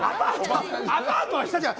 アパートは下じゃん。